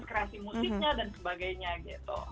kreasi musiknya dan sebagainya gitu